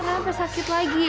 kenapa sakit lagi ya